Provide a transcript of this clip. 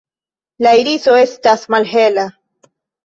La iriso estas malhela.